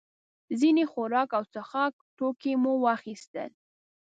ځینې خوراکي او څښاک توکي مو واخیستل.